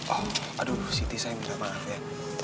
oh aduh siti saya minta maaf ya